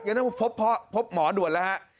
จะต้องพบหมอด่วนแล้วฮะ